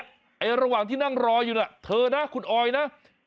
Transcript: ที่รว่างที่นั่งรอยอยู่คุณออยเนี่ย